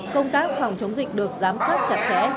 công tác phòng chống dịch được giám sát chặt chẽ